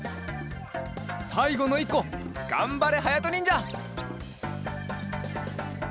さいごのいっこがんばれはやとにんじゃ。